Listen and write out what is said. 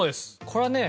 これはね